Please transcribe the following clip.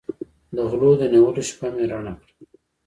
د غلو د نیولو شپه مې رڼه کړه.